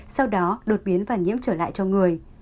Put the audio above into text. sau đó đột biến và nhiễm trở lại cho người